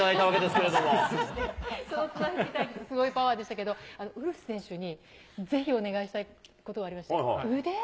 けれその綱引き対決、すごいパワーでしたけども、ウルフ選手にぜひお願いしたいことがありまして、腕？